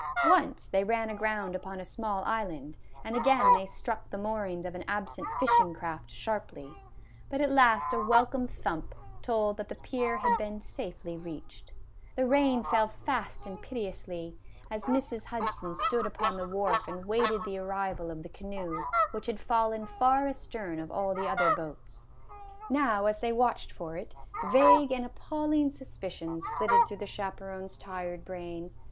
Once they ran aground upon a small island, and again they struck the moorings of an absent fishing craft sharply ; but at last a welcome thump told that the pier had been safely reached. The rain fell fast and pitilessly as Mrs. Hudson 156 MRS. HUDSON'S PICNIC. stood upon the wharf and waited the arrival of the canoe, which had fallen far astern of all the other boats. Now as they watched for it, vague and appalling suspicions flitted through the chaperon's tired brain.